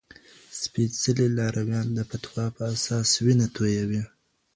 سپیڅلي لارویان د فتوا په اساس وینه تویوي.